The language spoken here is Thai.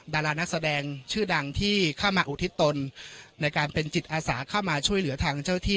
ดารานักแสดงชื่อดังที่เข้ามาอุทิศตนในการเป็นจิตอาสาเข้ามาช่วยเหลือทางเจ้าที่